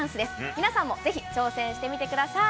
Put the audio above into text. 皆さんもぜひ挑戦してみてください。